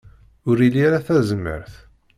Ur ili ara tazmert.